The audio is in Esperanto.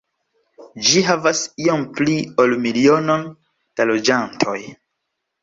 Ĝi havas iom pli ol milionon da loĝantoj.